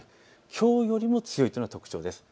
きょうよりも強いというのが特徴です。